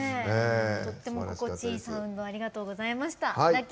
とっても心地いいサウンドありがとうございました。